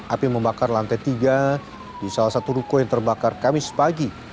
api membakar lantai tiga di salah satu ruko yang terbakar kamis pagi